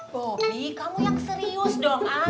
bobby kamu yang serius dong ah